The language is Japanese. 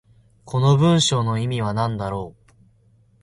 この文章の意味は何だろう。